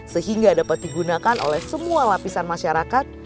sehingga dapat digunakan oleh semua lapisan masyarakat